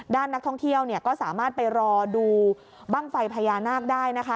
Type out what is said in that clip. ด้านนักท่องเที่ยวก็สามารถไปรอดูบ้างไฟพญานาคได้นะคะ